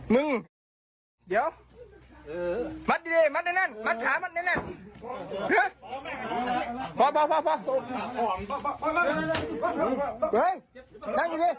มึงเดี๋ยวเออมัดดีดีมัดแน่นแน่นมัดขามัดแน่นแน่น